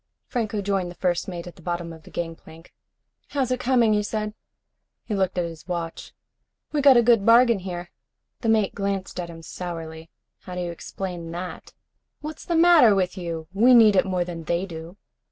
Franco joined the first mate at the bottom of the gangplank. "How's it coming?" he said. He looked at his watch. "We got a good bargain here." The mate glanced at him sourly. "How do you explain that?" "What's the matter with you? We need it more than they do."